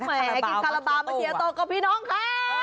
ให้กินคาราเบามะเคียโต้กับพี่น้องค่ะ